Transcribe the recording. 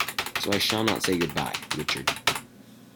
So I shall not say good-bye, Richard.